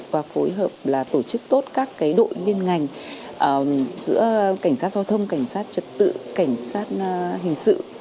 và phối hợp là tổ chức tốt các đội liên ngành giữa cảnh sát giao thông cảnh sát trật tự cảnh sát hình sự